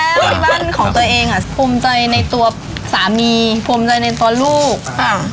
แล้วที่บ้านของตัวเองอ่ะภูมิใจในตัวสามีภูมิใจในตัวลูกค่ะ